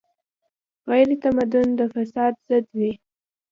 غیرتمند د فساد ضد وي